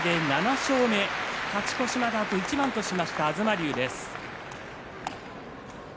勝ち越しまであと一番としました東龍です。